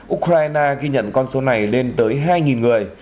ukraine ghi nhận con số này lên tới hai người